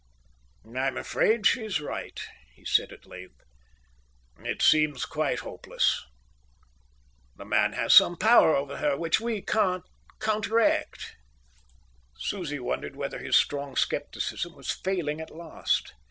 "I'm afraid she's right," he said at length. "It seems quite hopeless. The man has some power over her which we can't counteract." Susie wondered whether his strong scepticism was failing at last.